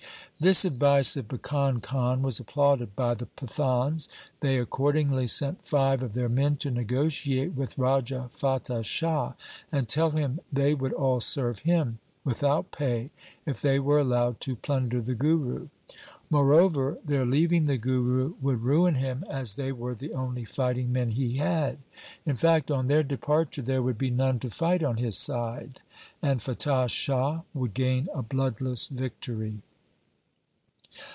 This advice of Bhikan Khan was applauded by the Pathans. They accordingly sent five of their men to negotiate with Raja Fatah Shah, and tell him they would all serve him without pay if they were allowed to plunder the Guru. Moreover, their leaving the Guru would ruin him as they were the only fighting men he had. In fact, on their departure there would be none to fight on his side, and Fatah Shah would gain a bloodless victory.